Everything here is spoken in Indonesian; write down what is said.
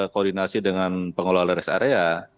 koordinasi dengan pengelola rest area